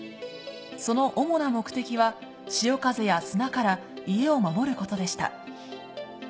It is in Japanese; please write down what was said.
その主な目的は潮風や砂から家を守ることでした。